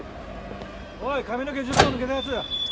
おい髪の毛１０本抜けた奴！